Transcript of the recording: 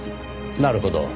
なるほど。